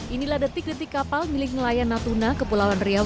inilah detik detik kapal milik nelayan natuna kepulauan riau